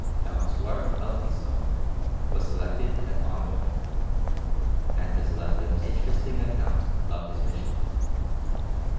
Mountstuart Elphinstone was selected as envoy, and has left an interesting account of his mission.